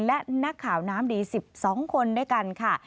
และนักข่าวน้ำดี๑๒คนด้วยกันค่ะ